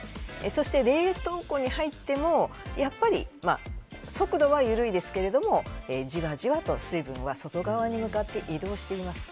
そして、冷凍庫に入ってもやっぱり、速度は緩いですがじわじわと水分は外側に向かって移動しています。